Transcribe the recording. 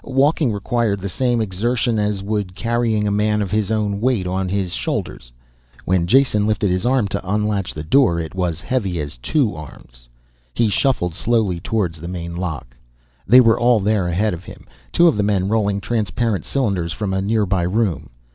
Walking required the same exertion as would carrying a man of his own weight on his shoulders. When Jason lifted his arm to unlatch the door it was heavy as two arms. He shuffled slowly towards the main lock. They were all there ahead of him, two of the men rolling transparent cylinders from a nearby room.